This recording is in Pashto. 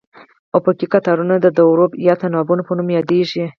افقي قطارونه د دورو یا تناوبونو په نوم یادیږي.